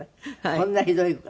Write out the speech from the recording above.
こんなひどい声。